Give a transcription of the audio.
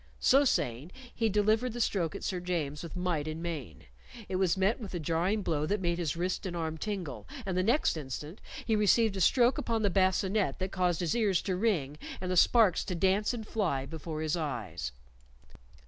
So saying, he delivered the stroke at Sir James with might and main. It was met with a jarring blow that made his wrist and arm tingle, and the next instant he received a stroke upon the bascinet that caused his ears to ring and the sparks to dance and fly before his eyes.